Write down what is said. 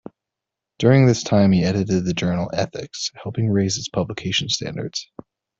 During this time he edited the journal "Ethics", helping raise its publication standards.